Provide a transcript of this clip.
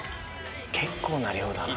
結構な量だな。